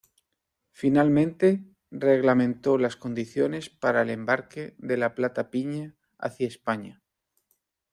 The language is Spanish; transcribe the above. Finalmente, reglamentó las condiciones para el embarque de la "plata piña" hacia España.